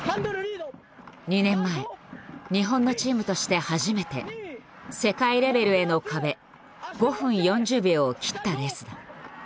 ２年前日本のチームとして初めて世界レベルへの壁５分４０秒を切ったレースだ。